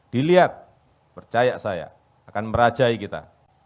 dilihat percaya saya akan merajai kita